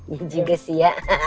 ya juga sih ya